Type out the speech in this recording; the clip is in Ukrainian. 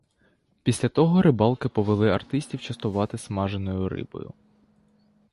Після того рибалки повели артистів частувати смаженою рибою.